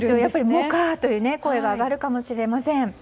「もか」という声が上がるかもしれません。